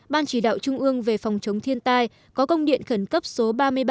ban chỉ đạo trung ương về phòng chống thiên tai có công điện khẩn cấp số ba mươi ba